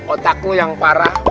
otak lu yang parah